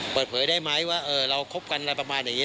เปิดเผยได้ไหมว่าเราคบกันอะไรประมาณอย่างนี้